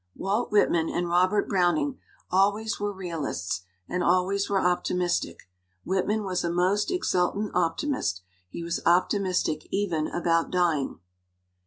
Walt Whitman and Robert Browning always were realists and always were optimistic. Whitman was a most exultant optimist; he was optimistic even about dying.